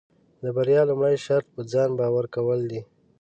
د بریا لومړی شرط پۀ ځان باور کول دي.